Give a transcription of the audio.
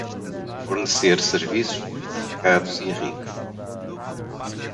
Fornecer serviços diversificados e ricos